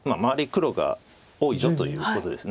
黒が多いぞということです。